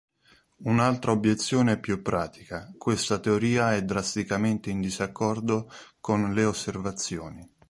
Un'altra obiezione è più pratica: Questa teoria è drasticamente in disaccordo con le osservazioni.